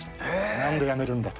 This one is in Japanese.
なんでやめるんだと。